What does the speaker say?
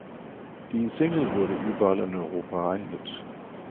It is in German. Die Single wurde überall in Europa ein Hit.